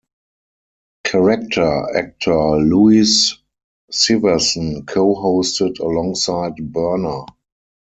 Character actor Louise Siversen co-hosted alongside Berner.